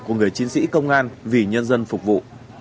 của người chiến sĩ công an vì nhân dân phục vụ